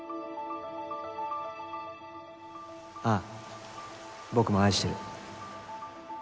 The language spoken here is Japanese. ああ僕も愛してる。